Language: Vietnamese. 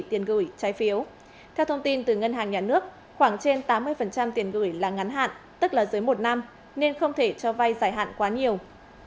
theo thông tin từ ngân hàng nhà nước khoảng trên tám mươi tiền gửi là ngắn hạn tức là dưới một năm nên không thể cho vay giải hạn quá nhiều